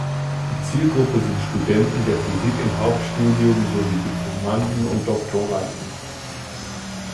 Die Zielgruppe sind Studenten der Physik im Hauptstudium sowie Diplomanden und Doktoranden.